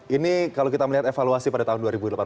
ini kalau kita melihat evaluasi pada tahun dua ribu delapan belas